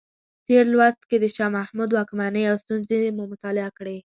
تېر لوست کې د شاه محمود واکمنۍ او ستونزې مو مطالعه کړې.